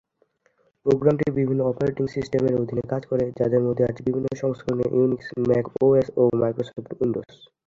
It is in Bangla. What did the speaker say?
প্রোগ্রামটি বিভিন্ন অপারেটিং সিস্টেমের অধীনে কাজ করে, যাদের মধ্যে আছে বিভিন্ন সংস্করণের ইউনিক্স, ম্যাক ওএস, ও মাইক্রোসফট উইন্ডোজ।